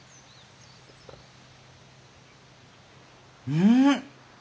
うん！